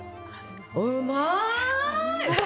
うまい！